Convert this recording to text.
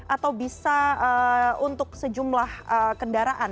atau bisa untuk sejumlah kendaraan